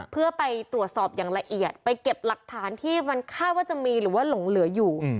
เพื่อไปตรวจสอบอย่างละเอียดไปเก็บหลักฐานที่มันคาดว่าจะมีหรือว่าหลงเหลืออยู่